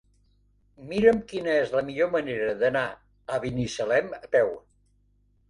Mira'm quina és la millor manera d'anar a Binissalem a peu.